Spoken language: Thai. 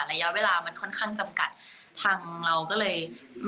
ระยะเวลามันค่อนข้างจำกัดทางเราก็เลย